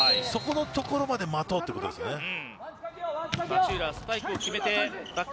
そこのところまで待とうということですね。